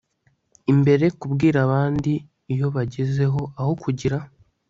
imbere kubwira abandi iyo bagezeho aho kugira